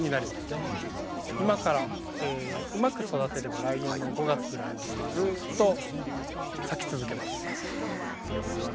今からうまく育てれば来年の５月ぐらいまでずっと咲き続けます。